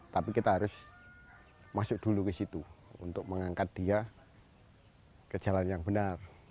tapi kita harus masuk dulu ke situ untuk mengangkat dia ke jalan yang benar